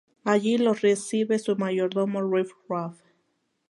Allí los recibe su mayordomo Riff Raff.